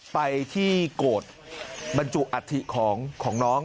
ไปที่โกรธบรรจุอัฐิของน้อง